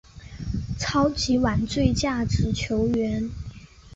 超级碗最有价值球员。